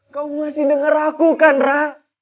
kamu masih denger aku kan ra